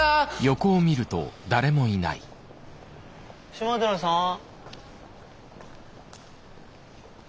島寺さん？